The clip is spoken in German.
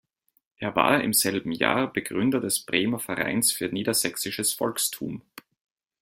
Er war im selben Jahr Begründer des Bremer Vereins für Niedersächsisches Volkstum.